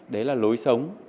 đấy là lối sống